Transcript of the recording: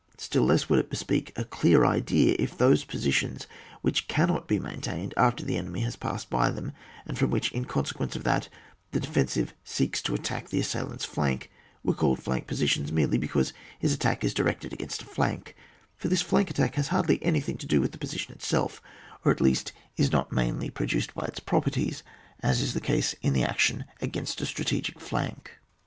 Still less would it bespeak a clear idea if those positions which cannot be main tained after the enemy has passed by them, and from which, in consequence of that, the defensive seeks to attack the assailanfs flank, were called flank posi^ iiona merely because his attack is di rected against a flank; for this flank attack has hardly anything to do with the position itself, or, at least, is not mainly produced by its properties, as is the case in the action against a stra tegic flank.